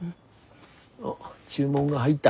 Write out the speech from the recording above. おっ注文が入った？